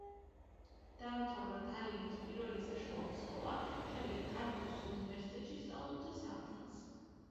დაამთავრა ტალინის პირველი საშუალო სკოლა, შემდეგ ტარტუს უნივერსიტეტში სწავლობდა სამართალს.